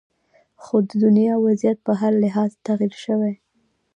خو د دنیا وضعیت په هر لحاظ تغیر شوې